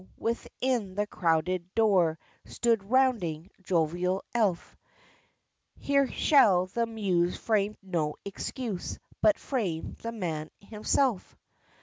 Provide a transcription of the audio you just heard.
within the crowded door, Stood Rounding, jovial elf; Here shall the Muse frame no excuse, But frame the man himself.